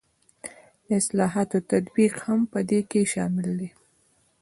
د اصلاحاتو تطبیق هم په دې کې شامل دی.